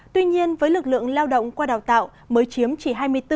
tuy nhiên với lực lượng lao động qua đào tạo mới chiếm chỉ hai mươi bốn